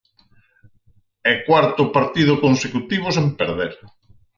E cuarto partido consecutivo sen perder.